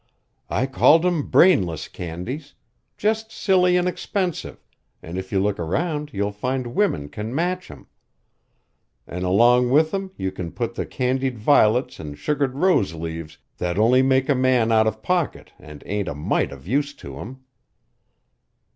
I called 'em brainless candies just silly an' expensive, an' if you look around you'll find women can match 'em. An' along with 'em you can put the candied violets an' sugared rose leaves that only make a man out of pocket an' ain't a mite of use to him."